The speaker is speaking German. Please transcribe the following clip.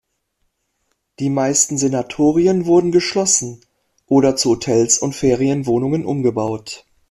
Die meisten Sanatorien wurden geschlossen oder zu Hotels und Ferienwohnungen umgebaut.